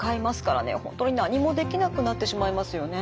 本当に何もできなくなってしまいますよね。